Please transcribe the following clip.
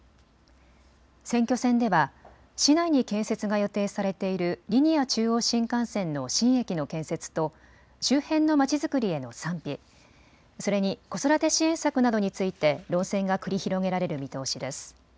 選挙戦では市内に建設が予定されているリニア中央新幹線の新駅の建設と周辺のまちづくりへの賛否、それに子育て支援策などについて論戦が繰り広げられる見通しです。